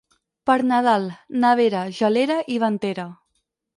Per Nadal, nevera, gelera i ventera.